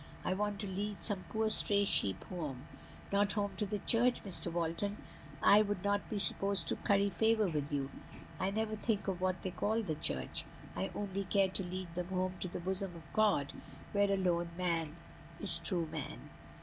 I want to lead some poor stray sheep home not home to the church, Mr. Walton I would not be supposed to curry favor with you. I never think of what they call the church. I only care to lead them home to the bosom of God, where alone man is true man.